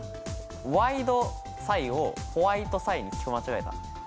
「ワイドサイ」を「ホワイトサイ」に聞き間違えた。